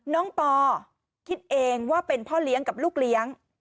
ปอคิดเองว่าเป็นพ่อเลี้ยงกับลูกเลี้ยง